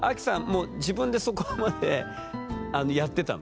もう自分でそこまであのやってたの？